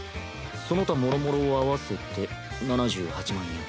その他もろもろを合わせて７８万円。